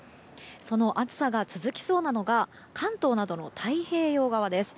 その暑さが続きそうなのが関東などの太平洋側です。